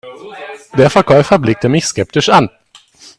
Der Verkäufer blickte mich skeptisch an.